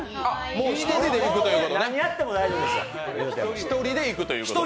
もう１人でいくということね。